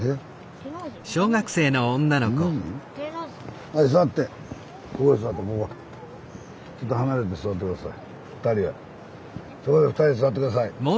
そこへ２人で座ってください。